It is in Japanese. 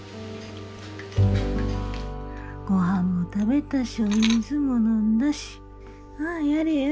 ごはんも食べたしお水も飲んだしはあやれやれ。